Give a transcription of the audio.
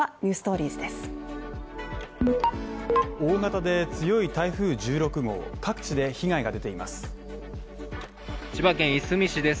大型で強い台風１６号各地で被害が出ています。